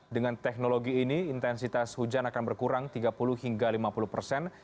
dengan teknologi ini intensitas hujan akan berkurang tiga puluh hingga lima puluh persen